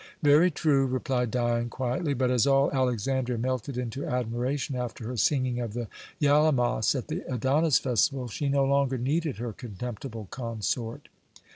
"Very true," replied Dion quietly. "But as all Alexandria melted into admiration after her singing of the yalemos at the Adonis festival, she no longer needed her contemptible consort."